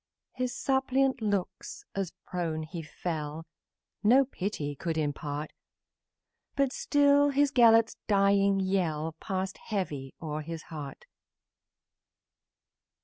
His suppliant, as to earth he fell, No pity could impart, But still his Gelert's dying yell Passed heavy o'er his heart.